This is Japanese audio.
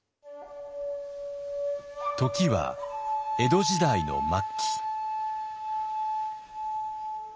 時は江戸時代の末期。